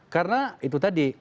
karena itu tadi